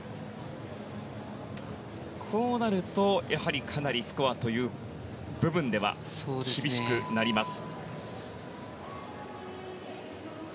こうなると、やはりかなりスコアという部分では厳しくなります。